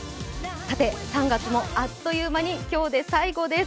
さて、３月もあっという間に今日で最後です。